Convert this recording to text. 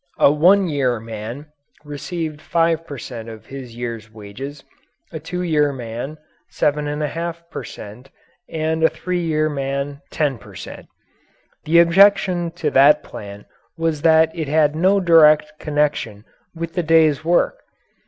A one year man received 5 per cent. of his year's wages; a two year man, 7 1/2 per cent., and a three year man, 10 per cent. The objection to that plan was that it had no direct connection with the day's work.